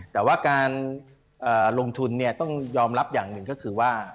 แต่ว่าการลงทุนต้องยอมรับอย่างหนึ่งก็คือว่า